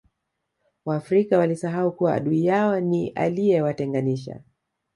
waafrika walisahau kuwa adui yao ni aliyewatenganisha